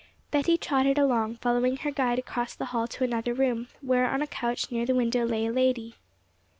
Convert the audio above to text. Betty trotted along, following her guide across the hall to another room, where on a couch near the window lay a lady.